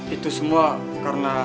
itu semua karena